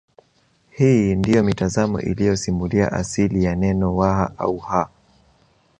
Hii ndiyo mitazamo iliyosimulia asili ya neno Waha au Ha